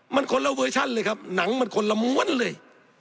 มันคนละเวอร์ชั่นเลยครับหนังมันคนละม้วนเลย